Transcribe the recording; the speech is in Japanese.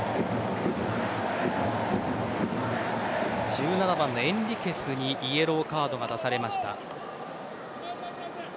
１７番のエンリケスにイエローカードが出されました。